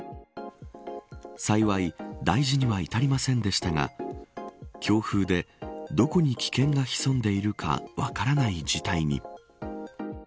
幸い大事には至りませんでしたが強風でどこに危険が潜んでいるか分からない事態に。